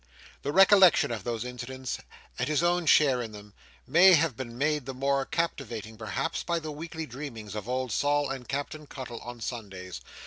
The recollection of those incidents, and his own share in them, may have been made the more captivating, perhaps, by the weekly dreamings of old Sol and Captain Cuttle on Sundays.